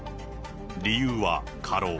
理由は過労。